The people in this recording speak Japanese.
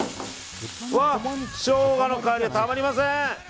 ショウガの香り、たまりません！